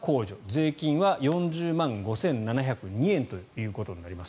税金は４０万５７０２円となります。